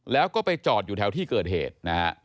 แล้วก็ไปจอดอยู่แถวที่เกิดเหตุนะฮะ